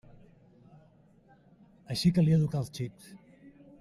Així calia educar els xics.